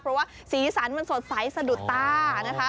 เพราะว่าสีสันมันสดใสสะดุดตานะคะ